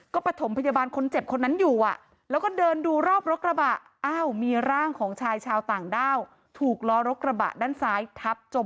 ก็ประถมพยาบาลคนเจ็บคนนั้นอยู่แล้วก็เดินดูรอบรถกระบะ